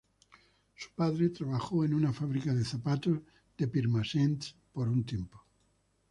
Su padre trabajó en una fábrica de zapatos de Pirmasens por un tiempo.